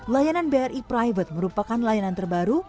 layanan bri private merupakan layanan terbaru